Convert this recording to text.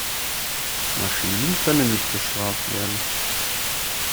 Maschinen können nicht bestraft werden.